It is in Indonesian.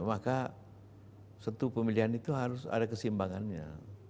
maka satu pemilihan itu harus ada kesimbangannya